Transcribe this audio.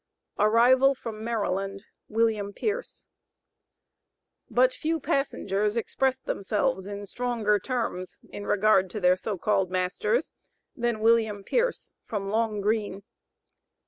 ARRIVAL FROM MARYLAND. WILLIAM PIERCE. But few passengers expressed themselves in stronger terms in regard to their so called masters, than William Pierce, from Long Green.